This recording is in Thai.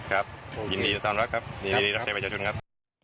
ครับยินดีรับใช้ประชาชนครับ